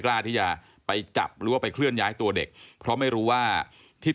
ตกลงไปจากรถไฟได้ยังไงสอบถามแล้วแต่ลูกชายก็ยังไง